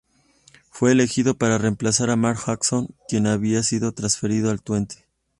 Fue elegido para reemplazar a Marc Janko quien había sido transferido al Twente.